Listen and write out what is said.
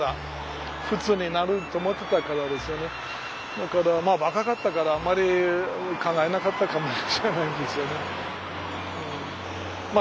だからまあ若かったからあまり考えなかったかもしれないんですよね。